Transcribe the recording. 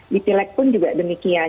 dipileg pun juga demikian